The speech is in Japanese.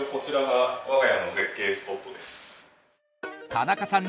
田中さん